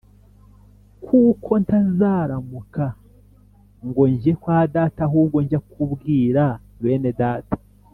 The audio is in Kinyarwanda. “kuko ntarazamuka ngo njye kwa data, ahubwo jya kubwira bene data,